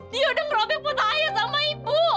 dia udah ngerobet potahaya sama ibu